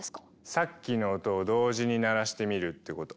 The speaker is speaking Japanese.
さっきの音を同時に鳴らしてみるってこと。